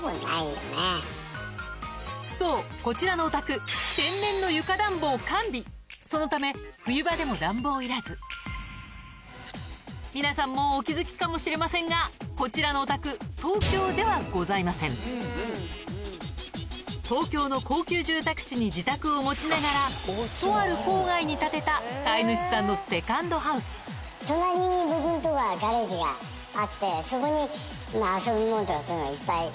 そうこちらのお宅を完備そのため冬場でも暖房いらず皆さんもうお気付きかもしれませんがこちらのお宅東京の高級住宅地に自宅を持ちながらとある郊外に建てた飼い主さんのセカンドハウスそこに。